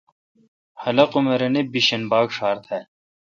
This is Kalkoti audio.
خلق ام اے رنے بھیشن بھاگ ڄھار تھال۔